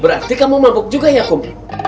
berarti kamu mabuk juga ya kum